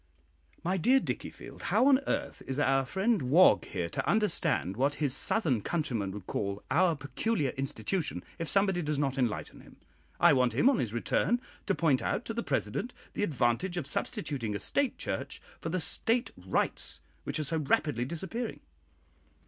"My dear Dickiefield, how on earth is our friend Wog here to understand what his southern countryman would call 'our peculiar institution,' if somebody does not enlighten him? I want him, on his return, to point out to the President the advantage of substituting a State Church for the State rights which are so rapidly disappearing."